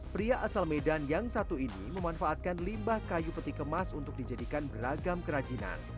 pria asal medan yang satu ini memanfaatkan limbah kayu peti kemas untuk dijadikan beragam kerajinan